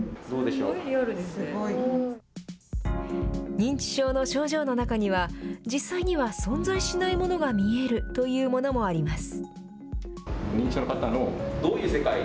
認知症の症状の中には、実際には存在しないものが見えるというものもあります。